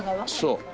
そう。